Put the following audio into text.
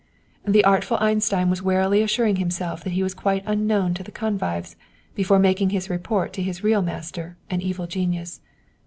The artful Einstein was warily assuring himself that he was quite unknown to the convives before making his report to his real master and evil genius.